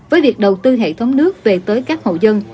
với việc đầu tư hệ thống nước về tới các hộ dân